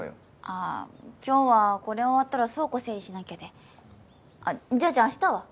あ今日はこれ終わったら倉庫整理しなきゃであっじゃあじゃあ明日は？